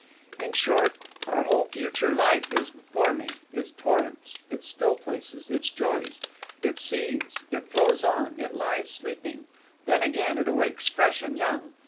"In short, our whole future life is before me its torrents, its still places, its joys; it seethes, it flows on, it lies sleeping; then again it awakes fresh and young.